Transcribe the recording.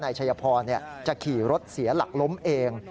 นายชัยพรจะขี่รถเสียหลักล้มเอง